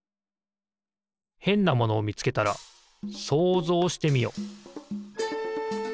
へんなものをみつけたら想像してみよ。